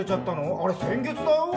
あれ先月だよ。